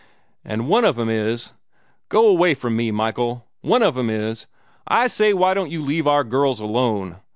"And one of 'em is go away from me, Michael! one of 'em is, I say, why don't you leave our girls alone?